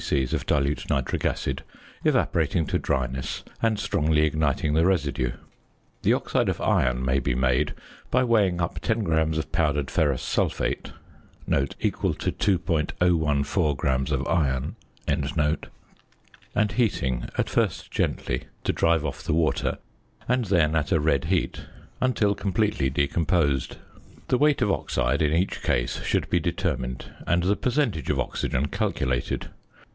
c. of dilute nitric acid, evaporating to dryness, and strongly igniting the residue. The oxide of iron may be made by weighing up 10 grams of powdered ferrous sulphate (= to 2.014 grams of iron) and heating, at first gently, to drive off the water, and then at a red heat, until completely decomposed. The weight of oxide, in each case, should be determined; and the percentage of oxygen calculated.